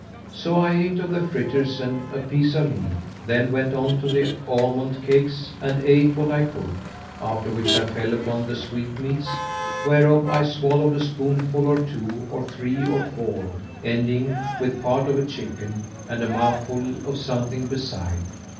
So I ate of the fritters and a piece of meat, then went on to the almond cakes and ate what I could; after which I fell upon the sweetmeats, whereof I swallowed a spoonful or two or three or four, ending with part of a chicken and a mouthful of something beside.